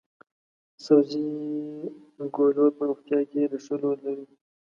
سبزي ګولور په روغتیا کې د ښه رول لري.